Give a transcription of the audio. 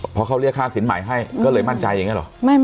พอเขาเรียกค่าสินใหม่ให้ก็เลยมั่นใจอย่างนี้หรอ